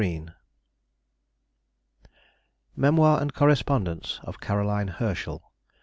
_] MEMOIR AND CORRESPONDENCE OF CAROLINE HERSCHEL.